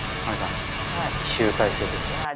亜美さん集大成ですよ。